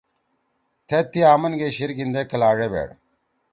تھید تی آمنگے شیِر گھیِندے کلاڙے بھیڑ